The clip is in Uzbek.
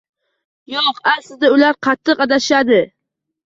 Yo’q aslida ular qattiq adashishadi.